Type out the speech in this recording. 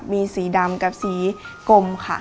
มีสีดำกับสีกลมค่ะ